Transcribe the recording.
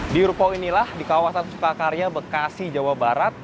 di ruko inilah di kawasan sukakarya bekasi jawa barat